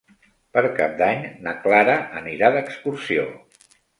Per Cap d'Any na Clara anirà d'excursió.